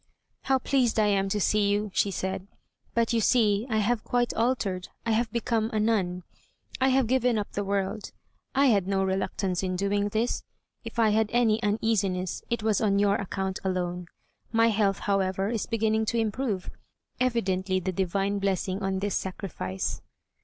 "How pleased I am to see you," she said, "but you see I have quite altered, I have become a nun. I have given up the world. I had no reluctance in doing this. If I had any uneasiness, it was on your account alone. My health, however, is beginning to improve; evidently the divine blessing on this sacrifice."